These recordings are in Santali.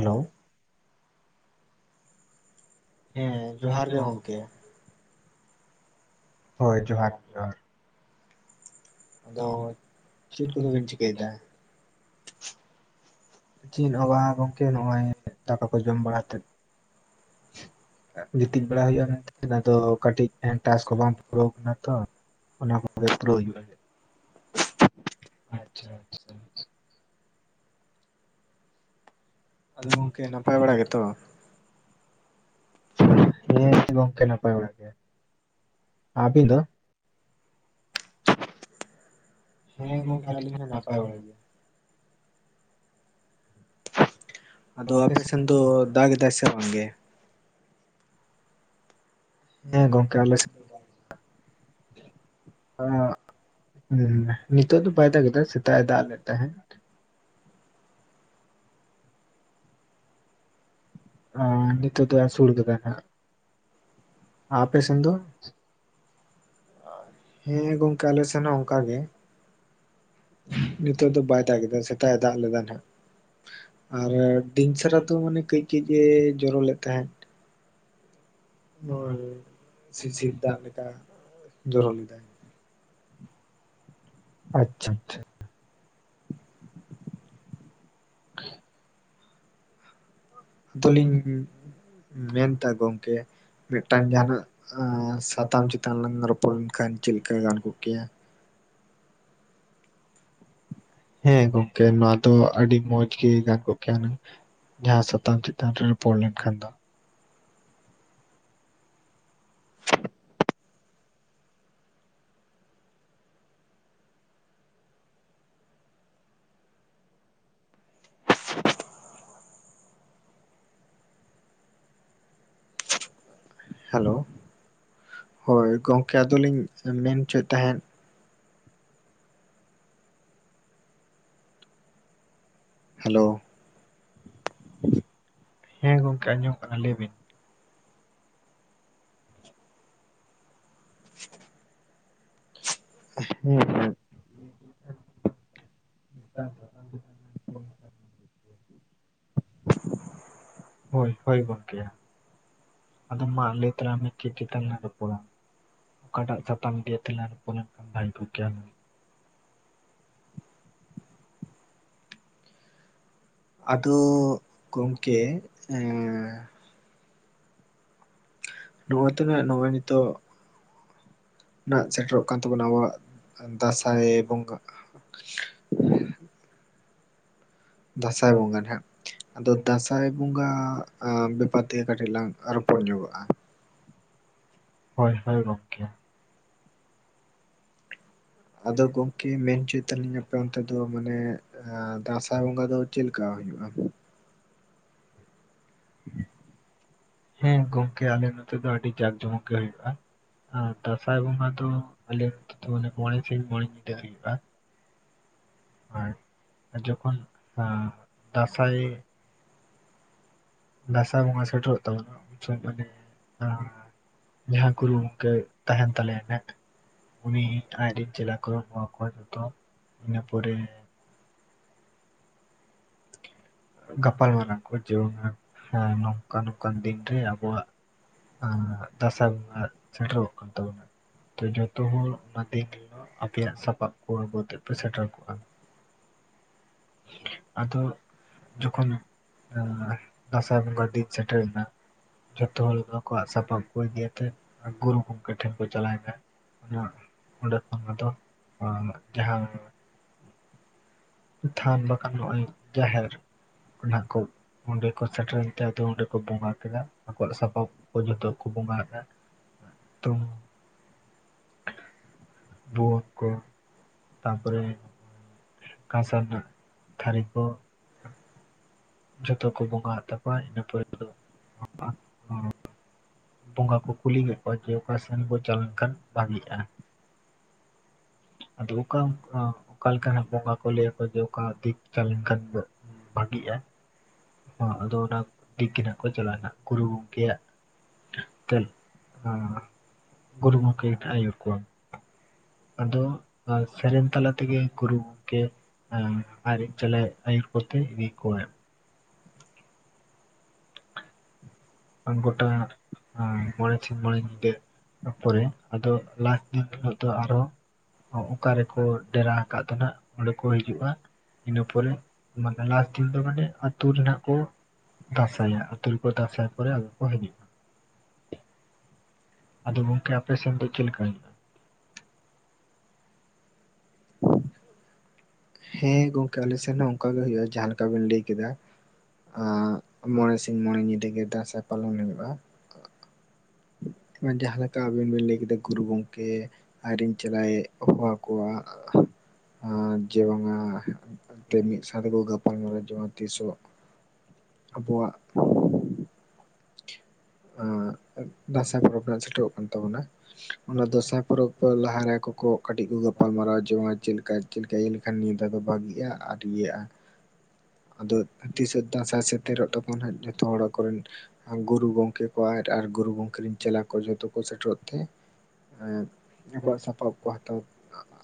ᱦᱮᱞᱳᱣ ᱦᱮᱸ ᱡᱚᱦᱟᱨ ᱜᱮ ᱜᱚᱝᱠᱮ ᱦᱳᱭ ᱡᱚᱦᱟᱨ ᱡᱚᱦᱟᱨ ᱟᱫᱚ ᱪᱮᱫ ᱠᱚᱫᱚ ᱵᱮᱱ ᱪᱤᱠᱟᱹᱭ ᱫᱟ? ᱪᱮᱫ ᱦᱚᱸ ᱵᱟᱝ ᱜᱚᱝᱠᱮ ᱱᱚᱜᱼᱚᱭ ᱫᱟᱠᱟ ᱠᱚ ᱡᱚᱢ ᱵᱟᱲᱟ ᱛᱮᱼᱼ [inaudible] ᱜᱤᱛᱤᱡ ᱵᱟᱲᱟ ᱦᱩᱭᱩᱜᱼᱟ ᱢᱮᱱᱛᱮ ᱟᱫᱚ ᱠᱟᱹᱴᱤᱡ ᱴᱟᱥ ᱠᱚ ᱵᱟᱝ ᱯᱩᱨᱟᱹᱣ ᱠᱟᱱᱟ ᱛᱚ᱾ ᱚᱱᱟ ᱠᱚᱜᱮ ᱯᱩᱨᱟᱹ ᱦᱳᱭᱳᱜ [unintelligible] ᱟᱪᱪᱷᱟ ᱟᱪᱪᱷᱟ, ᱟᱫᱚ ᱜᱚᱝᱠᱮ ᱱᱟᱯᱟᱭ ᱵᱟᱲᱟ ᱜᱮᱛᱚ? ᱦᱮᱸ ᱜᱚᱝᱠᱮ ᱱᱟᱯᱟᱭ ᱵᱟᱲᱟᱜ ᱜᱮ ᱟᱵᱤᱱ ᱫᱚ? ᱦᱮᱸ ᱜᱚᱝᱠᱮ ᱟᱹᱞᱤᱧ ᱦᱚᱸ ᱱᱟᱯᱟᱭ ᱵᱟᱲᱟ ᱜᱮᱭᱟ᱾ ᱟᱫᱚ ᱟᱯᱮ ᱥᱮᱱ ᱫᱚ ᱫᱟᱜ ᱮᱫᱟᱭ ᱥᱮ ᱵᱟᱝ ᱜᱮ? ᱦᱮᱸ ᱜᱚᱝᱠᱮ [inaudible] ᱦᱮᱸ ᱱᱤᱛᱚᱜ ᱫᱚ ᱵᱟᱭ ᱫᱟᱜ ᱮᱫᱟ ᱥᱮᱛᱟᱜ ᱮ ᱫᱟᱜ ᱞᱮᱫ ᱛᱟᱦᱮᱸᱱ ᱱᱤᱛᱚᱜ ᱫᱚ ᱟᱥᱳᱲ ᱠᱟᱫᱟ ᱱᱟᱜ ᱟᱯᱮ ᱥᱮᱱ ᱫᱚ? ᱦᱮᱸ ᱜᱚᱝᱠᱮ ᱟᱞᱮ ᱥᱮᱱ ᱦᱚᱸ ᱚᱱᱠᱟ ᱜᱮ᱾ ᱱᱤᱛᱳᱜ ᱫᱚ ᱵᱟᱭ ᱫᱟᱜ ᱮᱫᱟ ᱥᱮᱛᱟᱜ ᱮ ᱫᱟᱜ ᱞᱮᱫᱟ ᱱᱟᱜ ᱟᱨ ᱫᱤᱱ ᱪᱟᱨ ᱟᱫᱚ ᱢᱟᱱᱮ ᱠᱟᱹᱡ ᱠᱟᱹᱡ ᱮ ᱡᱚᱨᱚ ᱱ ᱞᱮᱫ ᱛᱟᱦᱮᱸᱫ, ᱦᱳᱭ ᱦᱳᱭ ᱥᱤᱥᱤᱨ ᱫᱟᱜ ᱞᱮᱠᱟ ᱡᱚᱨᱚ ᱞᱮᱫᱟᱭ᱾ ᱟᱪᱪᱷᱟ ᱟᱪᱪᱷᱟ᱾ [inaudible] ᱟᱫᱚ ᱞᱤᱧ ᱢᱮᱱ ᱫᱟ ᱜᱚᱝᱠᱮᱼᱼ ᱢᱤᱫ ᱴᱟᱝ ᱡᱟᱦᱟ ᱱᱟᱜ ᱥᱟᱛᱟᱢ ᱪᱮᱛᱟᱱ ᱞᱟᱝ ᱨᱚᱯᱚᱲ ᱞᱮᱱ ᱠᱷᱟᱱ ᱪᱮᱫ ᱞᱮᱠᱟ ᱜᱟᱱ ᱠᱚᱜ ᱠᱮᱭᱟ? ᱦᱮᱸ ᱜᱚᱝᱠᱮ ᱱᱚᱣᱟ ᱫᱚ ᱟᱹᱰᱤ ᱢᱚᱸᱡᱽ ᱜᱮ ᱜᱟᱱ ᱠᱚᱜ ᱠᱮᱭᱟ ᱦᱩᱸᱱᱟᱹᱝ᱾ ᱡᱟᱦᱟ ᱥᱟᱛᱟᱢ ᱪᱮᱛᱟᱱ ᱨᱮ ᱨᱚᱯᱚᱲ ᱞᱮᱱ ᱠᱷᱟᱱ ᱫᱚ᱾ ᱦᱮᱞᱳ ᱦᱳᱭ ᱜᱚᱝᱠᱮ ᱟᱫᱚ ᱞᱤᱧ ᱢᱮᱱ ᱦᱚᱪᱚᱭ ᱮᱫ ᱛᱟᱦᱮᱸᱫ᱾ ᱦᱮᱸ ᱜᱚᱝᱠᱮ ᱟᱸᱡᱚᱢᱼᱚᱜ ᱠᱟᱱᱟ ᱞᱟᱹᱭ ᱵᱤᱱ? [inaudible] [unintelligible] ᱦᱳᱭ ᱦᱳᱭ ᱜᱚᱝᱠᱮ ᱟᱫᱚ ᱢᱟ ᱞᱟᱹᱭ ᱛᱟᱞᱟᱝ ᱢᱮ ᱪᱮᱫ ᱪᱮᱛᱟᱱ ᱨᱮ ᱞᱟᱝ ᱨᱚᱯᱚᱲᱟ᱾ ᱚᱠᱟ ᱴᱟᱜ ᱥᱟᱛᱟᱢ ᱤᱫᱤᱭᱟᱛᱮ ᱞᱟᱝ ᱨᱚᱯᱚᱲ ᱞᱮᱱ ᱠᱷᱟᱱ ᱵᱷᱟᱹᱜ ᱠᱚᱜ ᱠᱮᱭᱟ? ᱟᱫᱚ ᱜᱚᱝᱠᱮ ᱮᱸᱻ ᱨᱩᱣᱟᱹ ᱛᱮᱱᱟᱜ ᱱᱚᱜᱼᱚᱭ ᱱᱤᱛᱚᱜ ᱱᱟᱜ ᱥᱮᱴᱮᱨ ᱚᱜ ᱠᱟᱱ ᱛᱟᱵᱚ ᱱᱟ ᱟᱵᱚᱣᱟᱜ ᱫᱟᱸᱥᱟᱭ ᱵᱚᱸᱜᱟᱼᱼ ᱫᱟᱸᱥᱟᱭ ᱵᱚᱸᱜᱟ ᱦᱟᱸᱜ ᱟᱫᱚ ᱫᱟᱸᱥᱟᱭ ᱵᱚᱸᱜᱟ ᱵᱮᱯᱟᱨ ᱛᱮᱜᱮ ᱠᱟᱹᱴᱤᱡ ᱞᱟᱝ ᱨᱚᱯᱚᱲ ᱧᱚᱜᱚᱜᱼᱟ᱾ ᱦᱳᱭ ᱦᱳᱭ ᱜᱚᱝᱠᱮ ᱟᱫᱚ ᱜᱚᱝᱠᱮ ᱢᱮᱱ ᱚᱪᱼᱼ ᱛᱟᱹᱞᱤᱧ ᱟᱯᱮ ᱚᱱᱛᱮ ᱫᱚ ᱢᱟᱱᱮ ᱫᱟᱸᱥᱟᱭ ᱵᱚᱸᱜᱟ ᱫᱚ ᱪᱮᱫ ᱞᱮᱠᱟ ᱦᱩᱭᱩᱜᱼᱟ? ᱦᱮᱸ ᱜᱚᱝᱠᱮ ᱟᱞᱮ ᱱᱚᱛᱮ ᱫᱚ ᱟᱹᱰᱤ ᱡᱟᱸᱠ ᱡᱚᱢᱚᱠ ᱜᱮ ᱦᱳᱭᱳᱜᱼᱟ᱾ ᱟᱨ ᱫᱟᱸᱥᱟᱭ ᱵᱚᱸᱜᱟ ᱫᱚ ᱟᱞᱮ ᱫᱚ ᱢᱚᱸᱬᱮ ᱥᱤᱧ ᱢᱚᱸᱬᱮ ᱧᱤᱫᱟᱹ ᱦᱩᱭᱩᱜᱼᱟ? ᱟᱨ ᱡᱚᱠᱷᱚᱱ ᱟᱜ ᱫᱟᱸᱥᱟᱭ ᱫᱟᱸᱥᱟᱭ ᱵᱚᱸᱜᱟ ᱥᱮᱴᱮᱨ ᱚᱜ ᱛᱟᱵᱚᱱᱟ ᱢᱟᱱᱮ ᱡᱟᱦᱟ ᱜᱩᱨᱩ ᱜᱚᱝᱠᱮ ᱛᱟᱦᱮᱱ ᱛᱟᱞᱮᱭᱟ [unintelligible] ᱩᱱᱤ ᱟᱡ ᱨᱮᱱ ᱪᱮᱞᱟ ᱠᱚᱭ ᱦᱚᱦᱚ ᱟᱠᱚᱣᱟ ᱡᱷᱚᱛᱚ ᱤᱱᱟᱹ ᱯᱚᱨᱮ ᱜᱟᱯᱟᱞ ᱢᱟᱨᱟᱝ ᱠᱚ ᱡᱮ ᱩᱱ ᱦᱟᱸᱜ ᱦᱮ ᱱᱚᱝᱠᱟ ᱱᱚᱝᱠᱟᱱ ᱫᱤᱱ ᱨᱮ ᱟᱵᱚᱣᱟᱜ ᱫᱟᱸᱥᱟᱭ ᱵᱚᱸᱜᱟ ᱥᱮᱴᱮᱨ ᱚᱜ ᱠᱟᱱ ᱛᱟᱵᱚᱱᱟ ᱛᱚ ᱡᱷᱚᱛᱚ ᱦᱚᱲ ᱚᱱᱟ ᱫᱤᱱ ᱦᱤᱞᱳᱜ ᱟᱯᱮ ᱭᱟᱜ ᱥᱟᱯᱟᱯ ᱠᱚ [unintelligible] ᱯᱮ ᱥᱮᱴᱮᱨ ᱠᱚᱜᱼᱟ ᱟᱫᱚ ᱟᱫᱚ ᱡᱚᱠᱷᱚᱱ ᱫᱟᱸᱥᱟᱭ ᱵᱚᱸᱜᱟ ᱫᱤᱱ ᱥᱮᱴᱮᱨ ᱮᱱᱟ ᱡᱷᱚᱛᱚ ᱦᱚᱲ ᱟᱠᱚᱣᱟᱜ ᱥᱟᱯᱟᱯ ᱠᱚ ᱤᱫᱤ ᱟᱛᱮᱫ ᱜᱩᱨᱩ ᱜᱚᱝᱠᱮ ᱴᱷᱮᱱ ᱠᱚ ᱪᱟᱞᱟᱣ ᱮᱱᱟ ᱚᱱᱟ ᱚᱸᱰᱮ ᱠᱷᱚᱱᱚᱫᱚ ᱡᱟ ᱡᱟᱦᱟᱸᱼᱼ ᱛᱷᱟᱱ ᱵᱟᱠᱷᱟᱱ ᱱᱚᱜᱼᱚᱭ ᱡᱟᱦᱮᱨ ᱚᱱᱟ ᱠᱚᱼᱼ ᱚᱸᱰᱮ ᱠᱚ ᱥᱮᱴᱨᱮᱱ ᱛᱮ ᱟᱫᱚ ᱚᱸᱰᱮ ᱠᱚ ᱵᱚᱸᱜᱟ ᱠᱮᱫᱟ ᱟᱠᱚᱣᱟᱜ ᱥᱟᱯᱟᱵᱼᱼ ᱡᱚᱛᱚ ᱠᱚ ᱵᱚᱸᱜᱟ ᱮᱫᱟ ᱛᱚᱼᱼ ᱵᱩ ᱠᱚ ᱛᱟᱯᱚᱨᱮ ᱠᱟᱸᱥᱟ ᱨᱮᱱᱟᱜ ᱛᱷᱟᱹᱨᱤ ᱠᱚ ᱾ ᱡᱷᱚᱛᱚ ᱠᱚ ᱵᱚᱸᱜᱟᱜ ᱛᱟᱠᱚᱣᱟ ᱤᱱᱟᱹ ᱯᱚᱨᱮᱼᱼ ᱵᱚᱸᱜᱟ ᱠᱚ ᱠᱩᱞᱤ ᱠᱮᱫᱮᱫ ᱠᱚᱣᱟ ᱡᱮ ᱚᱠᱟ ᱥᱮᱱ ᱵᱚᱱ ᱪᱟᱞᱟᱣ ᱞᱮᱱᱠᱷᱟᱱ ᱵᱷᱟᱜᱤᱜᱼᱟᱼᱼ ᱟᱫᱚ ᱚᱠᱟ ᱚᱠᱟᱮᱠᱟᱱᱟᱜ ᱵᱚᱸᱜᱟ ᱠᱚ ᱞᱟᱹᱭᱟᱠᱚ ᱡᱮ ᱚᱠᱟ ᱫᱤᱠ ᱪᱟᱞᱟ ᱞᱮᱱᱠᱷᱟᱱᱼᱼ ᱵᱷᱟᱹᱜᱤᱜᱼᱟ ᱾ ᱦᱚᱸ ᱟᱫᱚ ᱚᱱᱟ ᱫᱤᱠ ᱜᱮ ᱦᱟᱜ ᱠᱚ ᱪᱟᱞᱟᱜᱼᱟ ᱦᱟᱜ ᱜᱩᱨᱩ ᱜᱚᱢᱠᱮᱭᱟᱜᱼᱼ ᱛᱮᱫ ᱦᱮᱸ ᱜᱩᱨᱩ ᱜᱚᱢᱠᱮ ᱴᱟᱜᱮ ᱟᱭᱩᱨ ᱠᱚᱶᱟ ᱟᱫᱚ ᱥᱮᱨᱮᱧ ᱛᱟᱞᱟ ᱛᱮᱜᱮ ᱜᱩᱨᱩ ᱜᱚᱢᱠᱮᱼᱼ ᱟᱹᱨᱤ ᱪᱮᱞᱟ ᱟᱭᱩᱨ ᱠᱚᱛᱮ ᱤᱫᱤ ᱠᱚᱣᱟᱭ ᱾ ᱯᱚᱱᱠᱩᱩᱴᱱᱟ ᱢᱚᱬᱮ ᱥᱤᱧ ᱢᱚᱬᱮ ᱧᱤᱫᱟᱹ ᱯᱚᱨᱮ ᱟᱫᱚ ᱞᱟᱥ ᱫᱤᱱ ᱦᱤᱞᱟᱹᱜ ᱫᱚ ᱟᱨᱦᱚᱸᱼᱼ ᱚᱠᱟ ᱨᱮᱠᱚ ᱰᱮᱨᱟ ᱟᱠᱟᱫ ᱛᱟᱦᱮ ᱚᱸᱰᱮ ᱠᱚ ᱦᱤᱡᱩᱜᱼᱟ ᱼᱼ ᱤᱱᱟᱹ ᱯᱚᱨᱮ ᱢᱟᱱᱮ ᱞᱟᱥ ᱫᱤᱱ ᱫᱚ ᱢᱟᱱᱮ ᱟᱛᱳ ᱨᱮᱱᱟᱜ ᱠᱚᱼᱼ ᱫᱟᱸᱥᱟᱭᱟ ᱟᱛᱩ ᱨᱮ ᱠᱚ ᱫᱟᱸᱥᱟᱭ ᱯᱚᱨᱮ ᱟ ᱠᱚ ᱦᱤᱡᱩᱜᱼᱟ ᱾ ᱟᱫᱚ ᱜᱚᱢᱠᱮ ᱟᱯᱮ ᱥᱮᱫ ᱫᱚ ᱪᱮᱫ ᱞᱮᱠᱟ? ᱦᱮᱸ ᱜᱚᱝᱠᱮ ᱟᱞᱮ ᱥᱮᱱ ᱦᱚᱸ ᱚᱱᱠᱟ ᱜᱮ ᱦᱩᱭᱩᱜᱼᱟ ᱡᱟᱦᱟᱸᱞᱮᱠᱟ ᱵᱮᱱ ᱞᱟᱹᱭ ᱠᱮᱫᱟ ᱟᱸᱜ ᱢᱚᱬᱮ ᱥᱤᱧ ᱢᱚᱬᱮ ᱧᱤᱫᱟᱹ ᱜᱮ ᱫᱟᱸᱥᱟᱭ ᱯᱟᱞᱚᱱ ᱦᱩᱭᱩᱜᱼᱟ ᱾ ᱡᱟᱦᱟᱸ ᱞᱮᱠᱟ ᱟᱵᱤᱱ ᱵᱤᱱ ᱞᱟᱹᱭ ᱠᱮᱫᱟ ᱜᱩᱨᱩ ᱜᱚᱝᱠᱮ ᱟᱡᱨᱤᱱ ᱪᱮᱞᱟᱣᱼᱼ ᱦᱚᱸ ᱠᱚᱣᱟ ᱡᱮ ᱵᱟᱝᱟ ᱚᱱᱛᱮ ᱢᱤᱫ ᱼᱼ ᱥᱫ [inaudible] ᱜ ᱜᱟᱯᱟᱞᱢᱟᱨᱟᱣ ᱡᱮ ᱛᱤᱥ ᱦᱚᱸ ᱟᱵᱚᱣᱟᱜᱼᱼ ᱫᱟᱸᱥᱟᱭ ᱯᱚᱨᱚᱵᱽ ᱨᱮᱱᱟᱜ ᱥᱮᱴᱮᱨᱚᱜ ᱠᱟᱱ ᱛᱟᱵᱚᱱᱟᱼᱼ ᱚᱱᱟ ᱫᱟᱸᱥᱟᱭ ᱯᱚᱨᱚᱵᱽ ᱞᱟᱦᱟ ᱨᱮ ᱟᱠᱚ ᱠᱚᱼᱼ ᱠᱟᱹᱴᱤᱡ ᱠᱚ ᱜᱟᱯᱟᱞ ᱢᱟᱨᱟᱣ ᱡᱚᱝᱟ ᱪᱮᱫ ᱞᱮᱠᱟ ᱪᱮᱫ ᱞᱮᱠᱟ ᱤᱭᱟᱹ ᱞᱮᱠᱷᱟᱱ ᱱᱤᱭᱟᱹ ᱫᱷᱟ ᱫᱚ ᱵᱷᱟᱹᱜᱤᱜᱼᱟ ᱟᱨ ᱤᱭᱟᱹᱜᱼᱟ ᱚᱱᱠᱟ ᱼᱼ ᱟᱫᱚ ᱛᱤᱥᱟᱹᱜ ᱫᱟᱸᱥᱟᱭ ᱥᱮᱴᱮᱨᱚᱜ ᱛᱟᱵᱚᱱ ᱦᱟᱸᱜ ᱡᱚᱛᱚ ᱦᱚᱲ ᱠᱚᱨᱮᱱᱼᱼ ᱜᱩᱨᱩ ᱜᱚᱢᱠᱮ ᱠᱚ ᱟᱡ ᱟᱨ ᱜᱩᱨᱩ ᱜᱚᱢᱠᱮ ᱨᱮᱱ ᱪᱮᱞᱟ ᱠᱚ ᱡᱷᱚᱛᱚ ᱠᱚ ᱥᱮᱴᱮᱨᱚᱜ ᱛᱮᱼᱼ ᱮᱸᱫ ᱟᱠᱚᱣᱟᱜ ᱥᱟᱯᱟᱵ ᱠᱚ ᱦᱟᱛᱚᱵᱼᱼ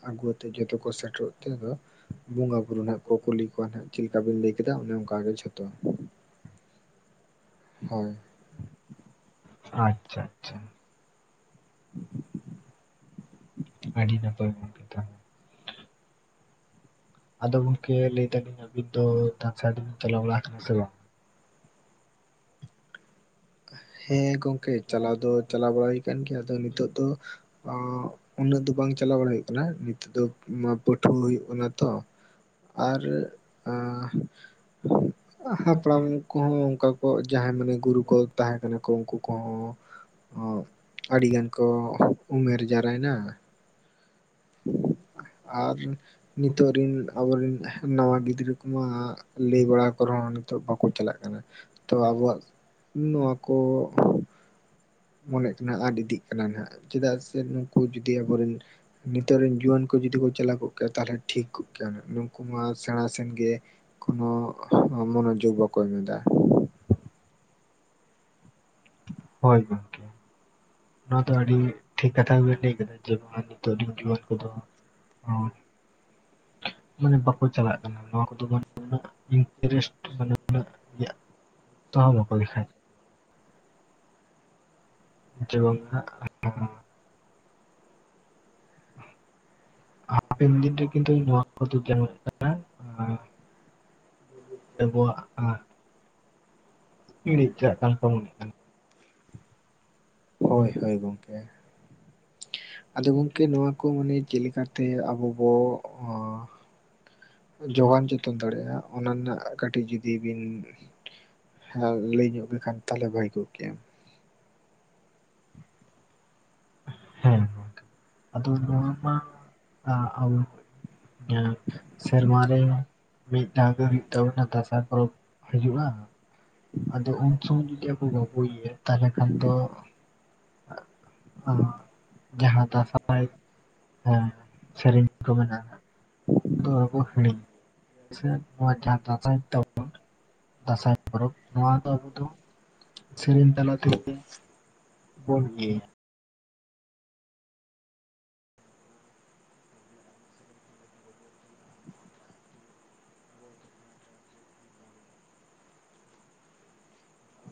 ᱟᱹᱜᱩᱛᱮᱫ ᱡᱚᱛᱚ ᱠᱚ ᱥᱮᱴᱮᱨᱚᱜ ᱛᱮ ᱟᱫᱚ ᱵᱚᱸᱜᱟ ᱵᱩᱨᱩ ᱱᱟᱜ ᱠᱚ ᱠᱩᱞᱤ ᱠᱚᱣᱟ ᱱᱟᱜᱼᱼ ᱪᱮᱫ ᱞᱮᱠᱟ ᱵᱤᱱ ᱞᱟᱹᱭ ᱠᱮᱫᱟ ᱚᱱᱮ ᱚᱱᱠᱟᱟᱜ ᱜᱮ ᱡᱷᱚᱛᱚᱼᱼ ᱦᱳᱭ ᱚ ᱟᱪᱪᱷᱟ ᱟᱪᱪᱷᱟ [inaudible] ᱟᱹᱰᱤ ᱱᱟᱯᱟᱭ ᱜᱮ ᱛᱚ ᱾ ᱟᱫᱚ ᱜᱚᱢᱠᱮ ᱞᱟᱹᱭ ᱫᱟᱞᱤᱧ ᱟᱹᱵᱤᱱ ᱫᱟᱥᱟᱭ ᱵᱤᱱ ᱪᱟᱞᱟᱣ ᱵᱟᱲᱟ ᱠᱟᱱᱟ ᱥᱮ ᱵᱟᱝ? ᱦᱮᱸ ᱜᱚᱝᱠᱮ ᱪᱟᱞᱟᱣ ᱫᱚ ᱪᱟᱞᱟᱣ ᱵᱟᱲᱟ ᱦᱩᱭ ᱟᱠᱟᱱ ᱜᱮᱭᱟ ᱟᱫᱚ ᱱᱤᱛᱚᱜ ᱫᱚ [unintelligible] ᱩᱱᱟᱹᱜ ᱫᱚ ᱵᱟᱝ ᱪᱟᱞᱟᱣ ᱵᱟᱲᱟ ᱦᱩᱭᱩᱜ ᱠᱟᱱᱟ ᱱᱤᱛᱚᱜ ᱫᱚ [unintelligible] [unintelligible] ᱦᱩᱭᱩᱜ ᱠᱟᱱᱟ ᱛᱚ ᱟᱨ ᱟᱸᱼᱼ ᱦᱟᱯᱲᱟᱢ ᱠᱚ ᱦᱚᱸ ᱚᱱᱠᱟ ᱠᱚ ᱡᱟᱦᱟᱸᱭ ᱢᱟᱱᱮ ᱜᱩᱨᱩ ᱠᱚᱼᱼ ᱛᱟᱦᱮᱸ ᱠᱟᱱᱟ ᱠᱚ ᱩᱱᱠᱩ ᱠᱚ ᱦᱚᱸᱼᱼ ᱟᱹᱰᱤ ᱜᱟᱱ ᱠᱚ ᱩᱢᱮᱨ ᱡᱟᱣᱟᱭ ᱱᱟᱼᱼ ᱟᱨ ᱱᱤᱛᱚᱜ ᱨᱤᱱᱼᱼ ᱟᱵᱚ ᱨᱮᱱ ᱱᱟᱣᱟ ᱜᱤᱫᱽᱨᱟᱹ ᱠᱚᱢᱟ ᱞᱟᱹᱭ ᱵᱟᱲᱟ ᱠᱚ ᱨᱮᱦᱚᱸ ᱱᱤᱛᱚᱜ ᱵᱟᱠᱚ ᱪᱟᱞᱟᱜ ᱠᱟᱱᱟ ᱾ ᱛᱚ ᱟᱵᱚᱣᱟᱜ ᱱᱚᱣᱟ ᱠᱚᱼᱼ ᱢᱚᱱᱮᱜ ᱠᱟᱱᱟ ᱟᱨ ᱟᱫᱽ ᱤᱫᱤᱜ ᱠᱟᱱᱟ ᱱᱟᱦᱱᱟᱜ ᱪᱮᱫᱟᱜ ᱥᱮ ᱱᱩᱠᱩ ᱡᱩᱫᱤ ᱟᱵᱚᱨᱮᱱ ᱱᱤᱛᱚᱜ ᱨᱮᱱ ᱡᱩᱣᱟᱹᱱ ᱠᱚᱼᱼ ᱡᱩᱫᱤ ᱠᱚ ᱪᱟᱞᱟᱣ ᱠᱚᱜ ᱠᱮᱭᱟ ᱛᱟᱦᱚᱞᱮ ᱴᱷᱤᱠ ᱠᱚᱜ ᱠᱮᱭᱟ ᱱᱩᱠᱩ ᱢᱟ ᱥᱮᱬᱟ ᱥᱮᱱ ᱜᱮᱼᱼ ᱠᱳᱱᱳ ᱢᱚᱱᱚᱡᱳᱜᱽ ᱵᱟᱠᱚ ᱮᱢ ᱮᱫᱟᱼᱼ [inaudible] ᱦᱳᱭ ᱜᱚᱝᱠᱮ, ᱱᱚᱣᱟ ᱫᱚ ᱟᱹᱰᱤ ᱴᱷᱤᱠ ᱠᱟᱛᱷᱟ ᱜᱮᱵᱮᱱ ᱞᱟᱹᱭ ᱟᱠᱟᱫᱟ ᱡᱮᱢᱚᱱ ᱱᱤᱛᱚᱜ ᱨᱮᱱ ᱡᱩᱣᱟᱹᱱ ᱠᱚ ᱫᱚᱼᱼ ᱦᱚᱸᱻ ᱢᱟᱱᱮ ᱵᱟᱠᱚ ᱪᱟᱞᱟᱜ ᱠᱟᱱᱟ ᱱᱚᱣᱟ ᱠᱚᱫᱚ ᱢᱟᱱᱮ ᱩᱱᱟᱹᱜ ᱤᱱᱴᱟᱨᱮᱥᱴ ᱢᱟᱱᱮ ᱩᱱᱟᱹᱜᱼᱼ [unintelligible] ᱡᱮᱢᱚᱱ ᱦᱟᱸᱜ ᱱᱚᱜᱼᱚᱭᱼᱼ ᱦᱟᱯᱮᱱ ᱫᱤᱱ ᱨᱮ ᱠᱤᱱᱛᱩ ᱱᱚᱣᱟ ᱠᱚᱫᱚ ᱡᱟᱱᱟᱢ ᱠᱟᱱᱟ। ᱟᱵᱚᱣᱟᱜᱼᱟ ᱤᱬᱤᱡ ᱠᱟᱜ ᱠᱟᱱ [unintelligible] ᱦᱳᱭ ᱦᱳᱭ ᱜᱚᱝᱠᱮ। ᱟᱫᱚ ᱜᱚᱝᱠᱮ ᱱᱚᱣᱟ ᱠᱚ ᱚᱱᱮ ᱪᱮᱫ ᱞᱮᱠᱟ ᱛᱮ ᱟᱵᱚ ᱵᱚ ᱚᱸᱼᱼ ᱡᱳᱜᱟᱱ ᱡᱚᱛᱚᱱ ᱫᱟᱲᱮᱭᱟᱜᱼᱟ ᱚᱱᱟ ᱨᱮᱱᱟᱜ ᱠᱟᱹᱴᱤᱡ ᱡᱩᱫᱤ ᱵᱤᱱᱼᱼ ᱦᱮᱸ ᱞᱟᱹᱭ ᱧᱚᱜ ᱞᱮᱠᱷᱟᱱ ᱛᱟᱦᱚᱞᱮ ᱵᱷᱟᱹᱜᱤ ᱠᱚᱜ ᱠᱮᱭᱟ। ᱦᱮᱸ ᱜᱚᱝᱠᱮ ᱟᱫᱚ ᱱᱚᱣᱟ ᱢᱟ ᱟᱵᱚᱼᱼ ᱥᱮᱨᱢᱟ ᱨᱮ ᱢᱤᱫ ᱫᱷᱟᱣ ᱫᱚ ᱦᱩᱭᱩᱜ ᱛᱟᱵᱚᱱᱟ ᱫᱟᱸᱥᱟᱭ ᱯᱚᱨᱚᱵᱽ ᱦᱩᱭᱩᱜᱼᱟ। ᱟᱫᱚ ᱩᱱ ᱥᱚᱢᱚᱭ ᱡᱩᱫᱤ ᱟᱵᱚ ᱵᱟᱵᱚ ᱤᱭᱟᱹᱭᱟ ᱛᱟᱦᱚᱞᱮ ᱠᱷᱟᱱ ᱫᱚᱼᱼ ᱟᱸ ᱡᱟᱦᱟᱸ ᱫᱟᱸᱥᱟᱭᱼᱼ ᱦᱮᱸ ᱥᱮᱨᱮᱧ ᱠᱚ ᱢᱮᱱᱟᱜ ᱟ ᱦᱟᱸᱜ [unintelligible] ᱟᱪᱪᱷᱟ ᱱᱚᱣᱟ ᱡᱟᱦᱟᱸ ᱫᱟᱸᱥᱟᱭ ᱛᱟᱵᱚᱱ ᱫᱟᱸᱥᱟᱭ ᱯᱚᱨᱚᱵᱽᱼᱼ ᱱᱚᱣᱟ ᱫᱚ ᱟᱵᱚ ᱫᱚ ᱥᱮᱨᱮᱧ ᱛᱟᱞᱟ ᱛᱮᱜᱮ ᱵᱚᱱ ᱤᱭᱟᱹᱭᱟ।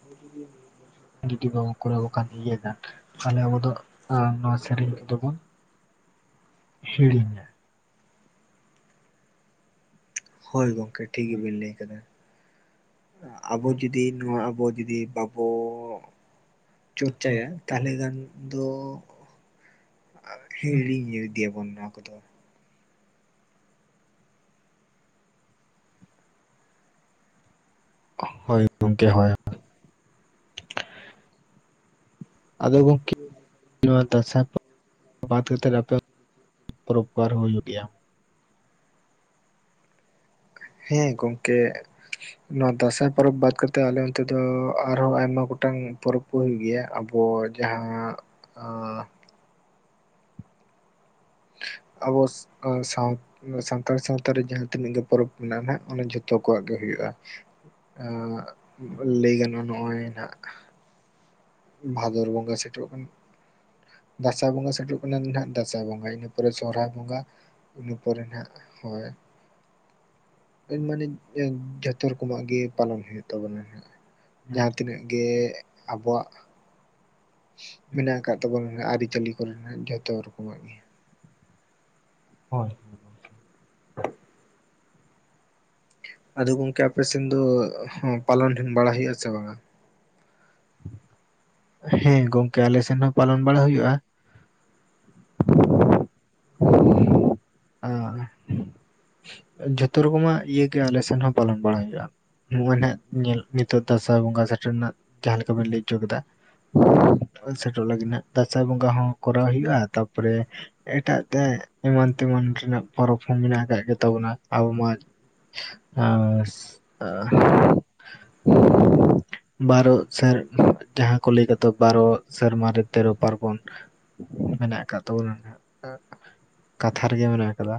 [unintelligible] ᱡᱩᱫᱤ ᱵᱟᱵᱚᱱ ᱠᱚᱨᱟᱣ ᱠᱷᱟᱱ ᱤᱭᱟᱹᱫᱟ ᱛᱟᱦᱞᱮ ᱟᱵᱚ ᱫᱚ ᱱᱚᱣᱟ ᱥᱮᱨᱮᱧ ᱠᱚᱫᱚ ᱵᱚᱱᱼᱼ ᱦᱤᱲᱤᱧᱟ। ᱦᱳᱭ ᱜᱚᱝᱠᱮ ᱴᱷᱤᱠ ᱜᱮ ᱵᱤᱱ ᱞᱟᱹᱭ ᱟᱠᱟᱫᱟ ᱟᱵᱚ ᱡᱩᱫᱤ ᱱᱚᱣᱟ ᱟᱵᱚ ᱡᱩᱫᱤ ᱵᱟᱵᱚᱼᱼ ᱵᱟᱵᱚ ᱪᱚᱨᱪᱟᱭᱟ ᱛᱟᱦᱚᱞᱮ ᱠᱷᱟᱱ ᱫᱚᱼᱼ ᱦᱤᱲᱤᱧ ᱤᱫᱤᱭ ᱟᱵᱚᱱ ᱱᱚᱣᱟ ᱠᱚᱫᱚ। ᱦᱳᱭ ᱜᱚᱢᱠᱮ ᱦᱳᱭ ᱟᱫᱚ ᱜᱚᱝᱠᱮ ᱱᱚᱣᱟ ᱫᱟᱸᱥᱟᱭ ᱯᱚᱨᱚᱵ ᱵᱟᱫ ᱠᱟᱛᱮ ᱟᱯᱮ ᱚᱱᱛᱮ ᱪᱮᱫ ᱯᱚᱨᱚᱵ ᱠᱚ ᱟᱨᱦᱚᱸ ᱦᱩᱭᱩᱜ ᱜᱮᱭᱟ। ᱦᱮᱸ ᱜᱚᱝᱠᱮ, ᱱᱚᱣᱟ ᱫᱟᱸᱥᱟᱭ ᱯᱚᱨᱚᱵᱽ ᱵᱟᱫ ᱠᱟᱛᱮᱫ ᱟᱞᱮ ᱚᱱᱛᱮ ᱫᱚ ᱟᱨᱦᱚᱸ ᱟᱭᱢᱟ ᱜᱚᱴᱟᱝ ᱯᱚᱨᱚᱵᱽ ᱠᱚ ᱦᱩᱭᱩᱜ ᱜᱮᱭᱟ ᱟᱵᱚᱼᱼ [unintelligible] ᱡᱟᱦᱟᱸᱼᱼ ᱟᱵᱚ ᱥᱟᱶ [unintelligible] ᱱᱚᱣᱟ ᱥᱟᱱᱛᱟᱲ ᱥᱟᱶᱛᱟ ᱨᱮ ᱡᱟᱦᱟᱸ ᱛᱤᱱᱟᱹᱜ ᱜᱮ ᱯᱚᱨᱚᱵᱽ ᱢᱮᱱᱟᱜᱼᱟ ᱱᱟᱦᱟᱸᱜ ᱚᱱᱟ ᱡᱚᱛᱚ ᱠᱚᱣᱟᱜ ᱜᱮ ᱦᱩᱭᱩᱜᱼᱟ। ᱞᱟᱹᱭ ᱜᱟᱱᱚᱜᱼᱟ ᱱᱚᱜᱼᱚᱭ ᱱᱟᱸᱜ ᱵᱷᱟᱫᱚᱨ ᱵᱚᱸᱜᱟ ᱥᱮᱴᱮᱨᱚᱜ ᱠᱟᱱᱟ ᱫᱟᱸᱥᱟᱭ ᱵᱚᱸᱜᱟ ᱥᱮᱴᱮᱨᱚᱜ ᱠᱟᱱᱟ ᱱᱟᱦᱟᱜ ᱫᱟᱸᱥᱟᱭ ᱵᱚᱸᱜᱟ ᱤᱱᱟᱹ ᱯᱚᱨ ᱤᱱᱟᱯᱚᱨᱮ ᱥᱚᱨᱦᱟᱭ ᱵᱚᱸᱜᱟ ᱤᱱᱟᱹ ᱯᱚᱨᱮ ᱱᱟᱦᱟᱸᱜ ᱦᱳᱭ ᱢᱟᱱᱮᱼᱼ ᱡᱷᱚᱛᱚ ᱨᱚᱠᱚᱢᱟᱜ ᱜᱮ ᱯᱟᱞᱚᱱ ᱦᱩᱭᱩᱜ ᱛᱟᱵᱚᱱᱟ ᱦᱟᱸᱜ ᱡᱟᱦᱟᱸ ᱛᱤᱱᱟᱹᱜ ᱛᱤᱱᱟᱹᱜ ᱜᱮ ᱟᱵᱚᱣᱟᱜ ᱢᱮᱱᱟᱜ ᱟᱠᱟᱫ ᱛᱟᱵᱚᱱᱟ ᱟᱹᱨᱤᱪᱟᱹᱞᱤ ᱠᱚᱨᱮᱱᱟᱜ ᱡᱷᱚᱛᱚ ᱨᱚᱠᱚᱢᱟᱜ ᱜᱮ ᱦᱳᱭ ᱟᱫᱚ ᱜᱚᱝᱠᱮ ᱟᱯᱮᱥᱮᱱ ᱫᱚ ᱯᱟᱞᱚᱱ ᱵᱟᱲᱟ ᱦᱩᱭᱩᱜ ᱟᱥᱮ ᱵᱟᱝᱼᱟ? ᱦᱮᱸ ᱜᱚᱝᱠᱮ ᱟᱞᱮ ᱥᱮᱱ ᱦᱚᱸ ᱯᱟᱞᱚᱱ ᱵᱟᱲᱟ ᱦᱩᱭᱩᱜᱼᱟ ᱾ [unintelligible] ᱡᱷᱚᱛᱚ ᱨᱚᱠᱚᱢᱟᱜ ᱤᱭᱟᱹ ᱟᱞᱮ ᱥᱮᱱ ᱦᱚᱸ ᱯᱟᱞᱚᱱ ᱵᱟᱲᱟᱭ ᱦᱩᱭᱩᱜᱼᱟ ᱱᱚᱜᱼᱚᱭ ᱱᱟᱦᱟᱜ ᱧᱮᱞ ᱱᱤᱛᱚᱜ ᱫᱟᱸᱥᱟᱭ ᱵᱚᱸᱜᱟ ᱥᱮᱴᱮᱨ ᱨᱮᱱᱟᱜ ᱡᱟᱦᱟᱸ ᱞᱮᱠᱟ ᱵᱤᱱ ᱞᱟᱹᱭ ᱦᱚᱪᱚ ᱠᱮᱫᱟ ᱥᱮᱴᱮᱨᱚᱜ ᱞᱟᱹᱜᱤᱫ ᱦᱟᱸᱜ ᱫᱟᱸᱥᱟᱭ ᱵᱚᱸᱜᱟ ᱦᱚᱸ ᱠᱚᱨᱟᱣ ᱦᱩᱭᱩᱜᱼᱟ, ᱛᱟᱯᱚᱨᱮ ᱮᱴᱟᱜ ᱛᱮ ᱮᱢᱟᱱ ᱛᱮᱢᱟᱱ ᱨᱮᱱᱟᱜ ᱯᱚᱨᱚᱵᱽ ᱦᱚᱸ ᱢᱮᱱᱟᱜ ᱟᱠᱟᱜ ᱜᱮ ᱛᱟᱵᱚᱱᱟ ᱟᱵᱚ ᱢᱟ [unintelligible] ᱵᱟᱨᱚ ᱡᱟᱦᱟᱸ ᱠᱚ ᱞᱟᱹᱭ ᱫᱟᱠᱚ ᱵᱟᱨᱚ ᱥᱮᱨᱢᱟ ᱨᱮ ᱛᱮᱨᱚ ᱯᱟᱨᱵᱚᱱ ᱢᱮᱱᱟᱜ ᱟᱠᱟᱫ ᱛᱟᱵᱚᱱᱟ ᱠᱟᱛᱷᱟ ᱨᱮᱜᱮ ᱢᱮᱱᱟᱜ ᱟᱠᱟᱫᱟ,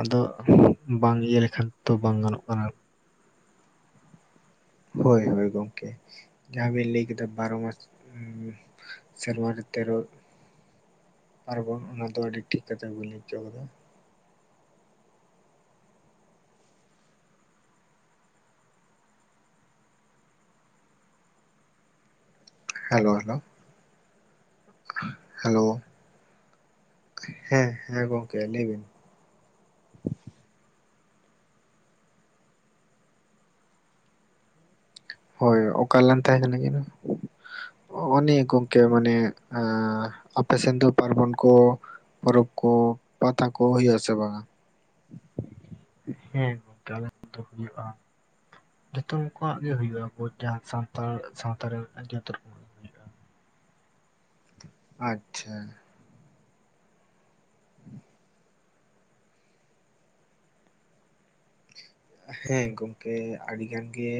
ᱟᱫᱚ ᱵᱟᱝ ᱤᱭᱟᱹ ᱞᱮᱠᱷᱟᱱ ᱛᱚ ᱵᱟᱝ ᱜᱟᱱᱚᱜ ᱠᱟᱱᱟ ᱾ ᱦᱳᱭ ᱦᱳᱭ ᱜᱚᱝᱠᱮ ᱡᱟᱦᱟᱸᱵᱤᱱ ᱞᱟᱹᱭ ᱠᱮᱫᱟ ᱵᱟᱨᱚ ᱢᱟᱥ ᱥᱮᱨᱣᱟᱨᱮ ᱛᱮᱨᱚ ᱯᱟᱨᱵᱚᱱ ᱚᱱᱟ ᱫᱚ ᱟᱹᱰᱤ ᱴᱷᱤᱠ ᱠᱟᱛᱷᱟ ᱵᱤᱱ ᱞᱟᱹᱭ ᱦᱚᱪᱚ ᱠᱟᱫᱟ ᱾ Hello hello hello. ᱦᱮᱸ ᱦᱮᱸ ᱜᱚᱢᱠᱮ ᱞᱟᱹᱭ ᱵᱤᱱ ᱾ ᱦᱳᱭ ᱚᱠᱟᱨᱮ ᱞᱟᱝ ᱛᱟᱦᱮᱸ ᱠᱟᱱᱟ ᱡᱮᱱᱚ [inaudible] ᱠᱮᱣ ᱢᱟᱱᱮ ᱟᱸ ᱟᱯᱮ ᱥᱮᱫ ᱫᱚ ᱯᱟᱨᱵᱚᱱ ᱠᱚ ᱯᱚᱨᱚᱵᱽ ᱠᱚ ᱯᱟᱛᱟ ᱠᱚ ᱦᱩᱭᱩᱜ ᱟ ᱥᱮ ᱵᱟᱝ? ᱦᱮᱸ ᱜᱚᱝᱠᱮ ᱟᱞᱮ ᱥᱮᱫ ᱫᱚ ᱦᱩᱭᱩᱜᱼᱟ ᱾ ᱡᱚᱛᱚᱠᱩᱣᱟᱜ ᱜᱮ ᱦᱩᱭᱩᱜᱼᱟ ᱟᱵᱚ ᱡᱟᱦᱟᱸ ᱥᱟᱱᱛᱟᱲ ᱥᱟᱶᱛᱟ ᱡᱚᱛᱚ ᱨᱚᱠᱚᱢ ᱟᱪᱪᱷᱟ ᱾ ᱦᱮᱸ ᱜᱚᱢᱠᱮ ᱟᱹᱰᱤ ᱜᱟᱱ ᱜᱮ